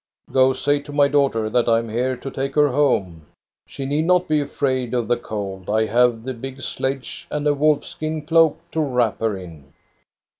" Go say to my daughter that I am here to take her home. She need not be afraid of the cold. I have the big sledge and a wolfskin cloak to wrap her in."